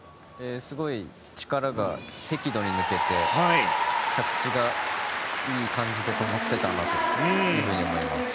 すごい力が適度に抜けて着地がいい感じで止まってたなと思います。